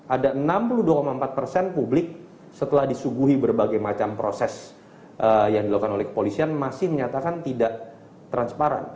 ada enam puluh dua empat persen publik setelah disuguhi berbagai macam proses yang dilakukan oleh kepolisian masih menyatakan tidak transparan